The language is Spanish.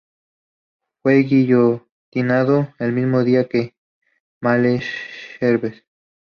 Fue guillotinado el mismo día que Malesherbes.